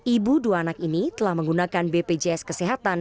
ibu dua anak ini telah menggunakan bpjs kesehatan